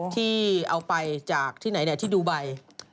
ที่เอาไปจากที่ไหนที่ดูไบ